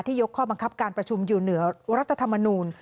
ยกข้อบังคับการประชุมอยู่เหนือรัฐธรรมนูล